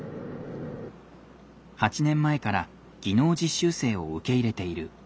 ８年前から技能実習生を受け入れている縫製工場です。